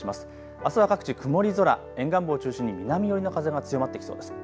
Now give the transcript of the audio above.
あすは各地曇り空、沿岸部を中心に南寄りの風が強まってきそうです。